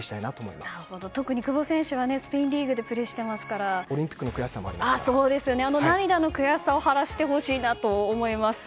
特に久保選手はスペインリーグでオリンピックの悔しさもあの涙の悔しさを晴らしてほしいなと思います。